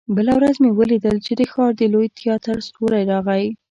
بله ورځ مې ولیدل چې د ښار د لوی تياتر ستورى راغی.